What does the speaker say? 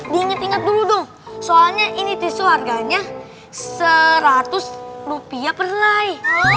diinget ingat dulu dong soalnya ini tisu harganya seratus rupiah per helai